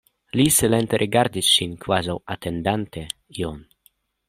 Li silente rigardis ŝin, kvazaŭ atendante ion.